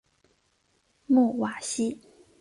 穆瓦西。